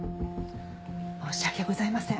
申し訳ございません。